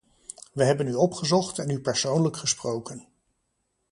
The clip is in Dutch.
We hebben u opgezocht en u persoonlijk gesproken.